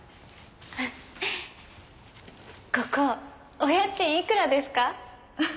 ここお家賃いくらですか？